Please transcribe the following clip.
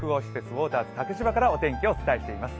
ウォーターズ竹芝からお天気をお伝えしています。